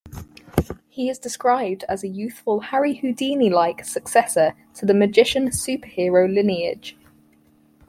He is described as a youthful Harry Houdini-like successor to the magician super-hero lineage.